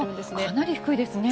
かなり低いですね。